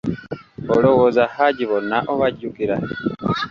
Olowooza Haji bonna obajjukira?